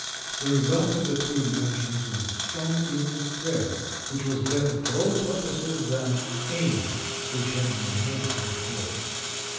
The result of the two inventions was a strong, even thread which was better for all purposes than any which had been made before.